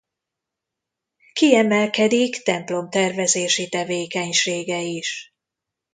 Kiemelkedik templom tervezési tevékenysége is.